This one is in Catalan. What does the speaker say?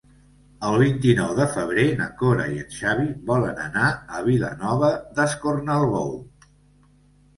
El vint-i-nou de febrer na Cora i en Xavi volen anar a Vilanova d'Escornalbou.